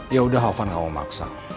ya udah ovan nggak mau maksa